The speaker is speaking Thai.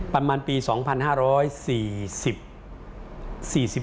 ประมาณปีไหนครับ